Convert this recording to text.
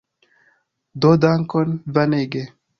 Do dankon Vanege.